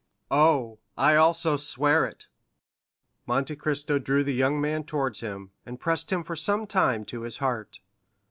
"Oh, I also swear it!" Monte Cristo drew the young man towards him, and pressed him for some time to his heart.